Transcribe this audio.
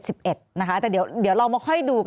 มีประวัติศาสตร์ที่สุดในประวัติศาสตร์